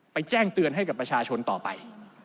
แจ้งเตือนให้กับประชาชนต่อไป